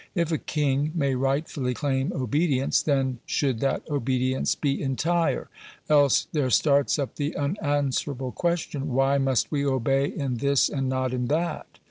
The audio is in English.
If a king may rightfully claim obedience, then should that obedience be entire; else there starts up the unanswerable question — why must we obey in this and not in that